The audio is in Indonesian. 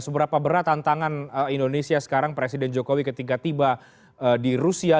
seberapa berat tantangan indonesia sekarang presiden jokowi ketika tiba di rusia